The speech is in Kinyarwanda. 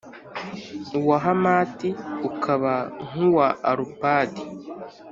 uwa Hamati ukaba nk’uwa Arupadi,